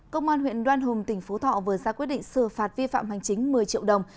công an huyện đoan hùng tỉnh phú thọ vừa ra quyết định xử phạt vi phạm hành chính một mươi triệu đồng